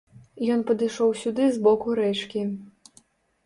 Ён падышоў сюды з боку рэчкі.